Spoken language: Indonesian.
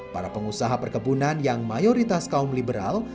para pengusaha perkebunan yang mayoritas kaum liberal